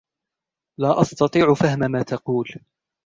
لا أستطيع فهم ما تقول.